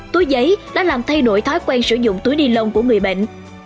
túi giấy đã làm thay đổi thói quen sử dụng túi ni lông của người bệnh